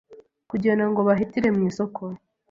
kugenda ngo bahitire mw’isoko.